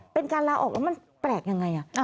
เป็นการลาออกแล้วมันแปลกยังไง